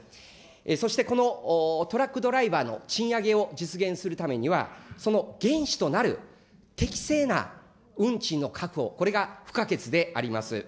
そしてこのトラックドライバーの賃上げを実現するためには、その原資となる適正な運賃の確保、これが不可欠であります。